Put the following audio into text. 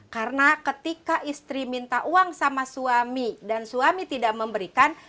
karena ketika istri minta uang sama suami dan suami tidak memberikan